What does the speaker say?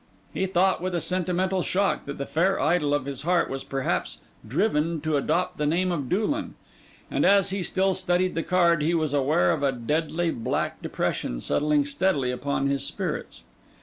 He thought with a sentimental shock that the fair idol of his heart was perhaps driven to adopt the name of Doolan; and as he still studied the card, he was aware of a deadly, black depression settling steadily upon his spirits.